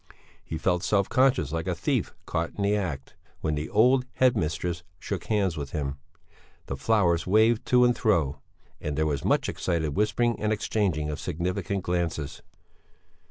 He felt self conscious like a thief caught in the act, when the old headmistress shook hands with him; the flowers waved to and fro, and there was much excited whispering and exchanging of significant glances.